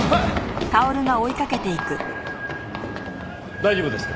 大丈夫ですか？